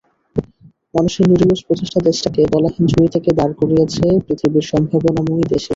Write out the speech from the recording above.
মানুষের নিরলস প্রচেষ্টা দেশটাকে তলাহীন ঝুড়ি থেকে দাঁড় করিয়েছে পৃথিবীর সম্ভাবনাময়ী দেশে।